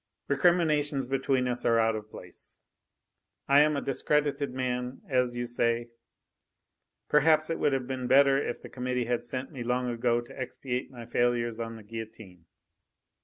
"Recriminations between us are out of place. I am a discredited man, as you say. Perhaps it would have been better if the Committee had sent me long ago to expiate my failures on the guillotine.